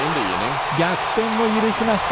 逆転を許しました。